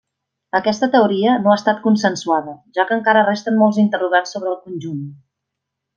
Aquesta teoria no ha estat consensuada, ja que encara resten molts interrogants sobre el conjunt.